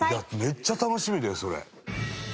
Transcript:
めっちゃ楽しみだよそれ。